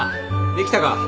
できたか？